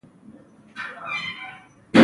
د رهبري بشپړ توان لري.